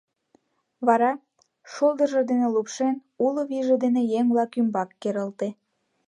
Вара шулдыржо дене лупшен уло вийже дене еҥ-влак ӱмбак керылте.